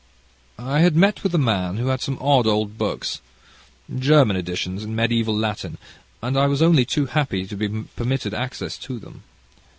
"I had met with a man who had some odd old books, German editions in mediaeval Latin, and I was only too happy to be permitted access to them.